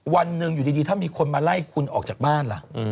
วันหนึ่งอยู่ดีถ้ามีคนมาไล่คุณออกจากบ้านล่ะ